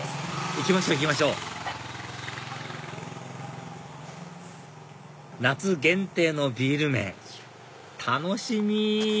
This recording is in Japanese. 行きましょう行きましょう夏限定のビール麺楽しみ！